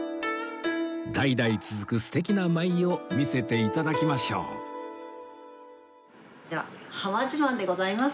代々続く素敵な舞を見せて頂きましょうでは『濱自慢』でございます。